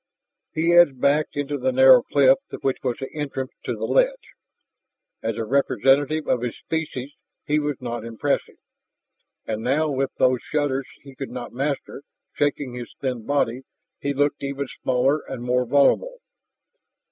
He edged back into the narrow cleft which was the entrance to the ledge. As a representative of his species he was not impressive, and now with those shudders he could not master, shaking his thin body, he looked even smaller and more vulnerable.